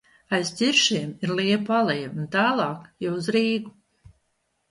Aiz ķiršiem ir liepu aleja un tālāk jau uz Rīgu.